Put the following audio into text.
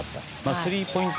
スリーポイント